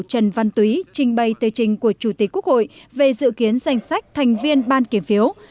trần văn túy trình bày tờ trình của chủ tịch quốc hội về dự kiến danh sách thành viên ban kiểm phiếu